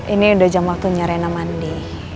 ini udah jam waktunya rena mandi